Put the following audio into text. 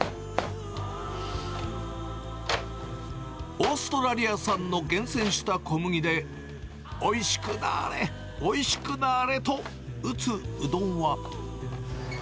オーストラリア産の厳選した小麦で、おいしくなーれ、おいしくなーれと打つうどんは。